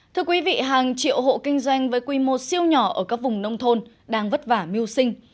thưa quý vị hàng triệu hộ kinh doanh với quy mô siêu nhỏ ở các vùng nông thôn đang vất vả mưu sinh